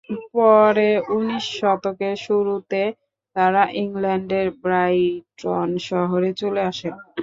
পরে উনিশ শতকের শুরুতে তারা ইংল্যান্ডের ব্রাইটন শহরে চলে আসেন।